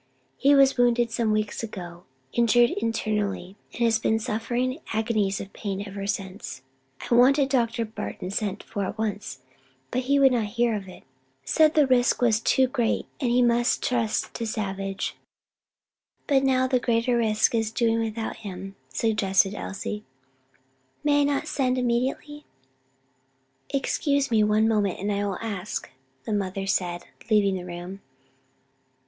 He was wounded some weeks ago; injured internally, and has been suffering agonies of pain ever since. I wanted Dr. Barton sent for at once, but he would not hear of it, said the risk was too great and he must trust to Savage. But now " she paused, overcome with grief. "But now the greater risk is in doing without him," suggested Elsie. "May I not send immediately?" "Excuse me one moment, and I will ask," the mother said, leaving the room.